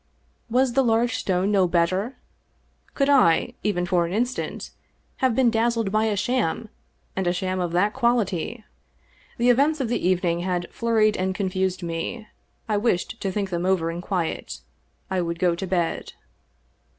Was the large stone no better ? Could I, even for an instant, have been dazzled by a sham, and a sham of that quality? The events of the evening had flurried and confused me. I wished to think them over in quiet. I would go to b^d.